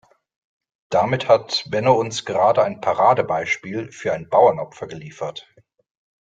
Damit hat Benno uns gerade ein Paradebeispiel für ein Bauernopfer geliefert.